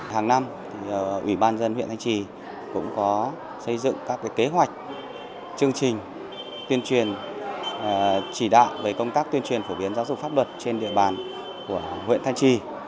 hàng năm ủy ban dân huyện thanh trì cũng có xây dựng các kế hoạch chương trình tuyên truyền chỉ đạo về công tác tuyên truyền phổ biến giáo dục pháp luật trên địa bàn của huyện thanh trì